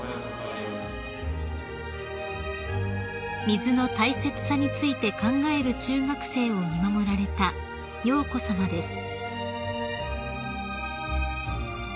［水の大切さについて考える中学生を見守られた瑶子さまです］